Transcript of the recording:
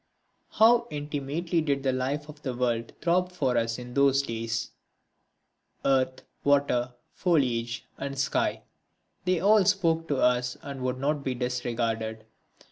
How intimately did the life of the world throb for us in those days! Earth, water, foliage and sky, they all spoke to us and would not be disregarded.